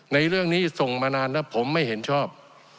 ในเรื่องนี้ส่งมานานแล้วผมไม่เห็นชอบ